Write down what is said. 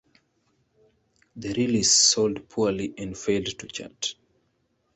The release sold poorly and failed to chart.